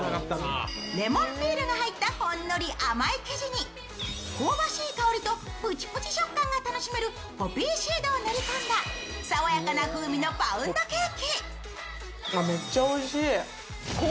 レモンピールが入ったほんのり甘い生地に香ばしい香りとプチプチ食感が楽しめるポピーシードを練り込んだ爽やかな風味のパウンドケーキ。